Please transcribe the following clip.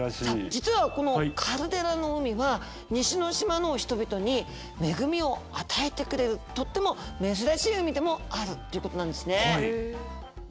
実はこのカルデラの海は西ノ島の人々に恵みを与えてくれるとっても珍しい海でもあるということなんですね。